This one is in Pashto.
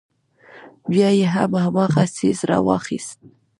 بيا يې هم هماغه څيز راواخيست.